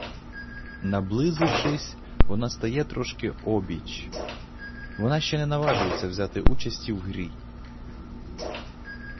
Наблизившись, вона стає трошки обіч, вона ще не наважується взяти участі в грі.